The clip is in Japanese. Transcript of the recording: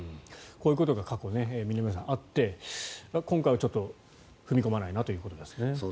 こういうことが過去、あって今回はちょっと踏み込まないなということですね。